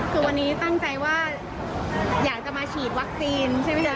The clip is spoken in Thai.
คือวันนี้ตั้งใจว่าอยากจะมาฉีดวัคซีนใช่ไหมจ๊